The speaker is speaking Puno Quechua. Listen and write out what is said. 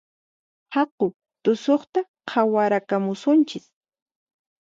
Haku tusuqta qhawarakamusunchis